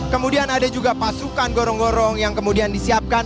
kemudian ada juga pasukan gorong gorong yang kemudian disiapkan